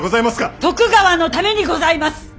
徳川のためにございます。